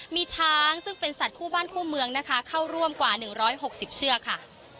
มีช้างซึ่งเป็นสัตว์คู่บ้านคู่เมืองนะคะเข้าร่วมกว่าหนึ่งร้อยหกสิบเชื้อค่ะ